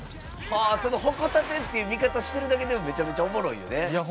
その矛盾っていう見方してるだけでもめちゃめちゃおもろいよね。